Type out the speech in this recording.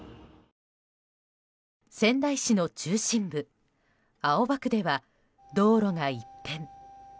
仙台市の中心部、青葉区では道路が一変。